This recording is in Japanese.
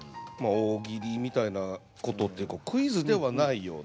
大喜利みたいなことっていうかクイズではないような。